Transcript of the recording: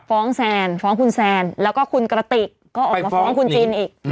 แซนฟ้องคุณแซนแล้วก็คุณกระติกก็ออกมาฟ้องคุณจินอีก